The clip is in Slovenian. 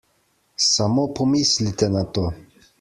Samo pomislite na to!